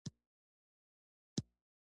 د یو پي ایس پارسل د کوډ له مخې موندل کېږي.